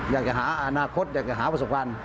อยากจะหาอนาคตอยากจะหาประสบการณ์